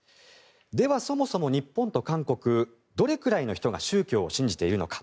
では、そもそも日本と韓国どれくらいの人が宗教を信じているのか。